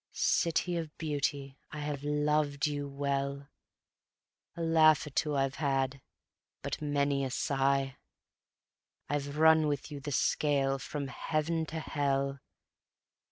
... City of Beauty, I have loved you well, A laugh or two I've had, but many a sigh; I've run with you the scale from Heav'n to Hell.